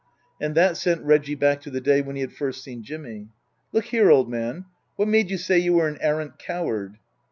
And that sent Reggie back to the day when he had first seen Jimmy. " Look here, old man, what made you say you were an arrant coward